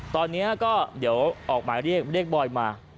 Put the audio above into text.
ตอนนี้ก็เดี๋ยวออกหมายเรียกเรียกบอยมา